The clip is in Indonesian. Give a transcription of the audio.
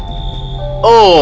dan mengambil beberapa lettuce